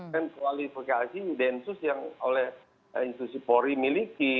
dan kualifikasi densus yang oleh institusi polri miliki